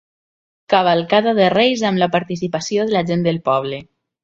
Cavalcada de Reis amb la participació de la gent del poble.